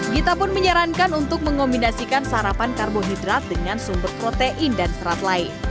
gita pun menyarankan untuk mengombinasikan sarapan karbohidrat dengan sumber protein dan serat lain